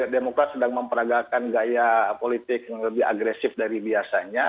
demokrat sedang memperagakan gaya politik yang lebih agresif dari biasanya